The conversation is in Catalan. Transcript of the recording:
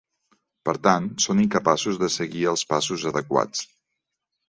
Per tant, són incapaços de seguir els passos adequats.